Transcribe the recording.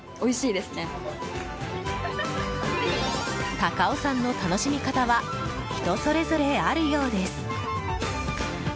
高尾山の楽しみ方は人それぞれあるようです。